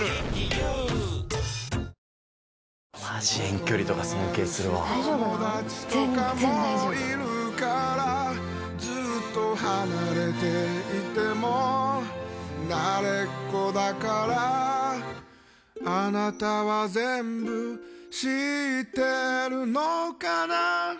友達とかもいるからずっと離れていても慣れっこだからあなたは全部知ってるのかな